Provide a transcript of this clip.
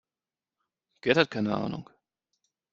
Gerd hat keine Ahnung.